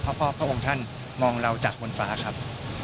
เพราะพระองค์ท่านมองเราจากบนฟ้าครับ